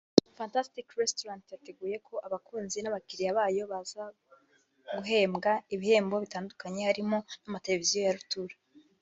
Fantastic Restaurant yateguye ko abakunzi n’abakiriya bayo baza guhembwa ibihembo bitandukanye harimo n’amateleviziyo ya rutura